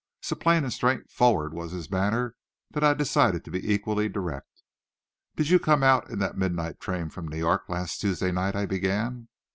So plain and straightforward was his manner, that I decided to be equally direct. "Did you come out in that midnight train from New York last Tuesday night?" I began.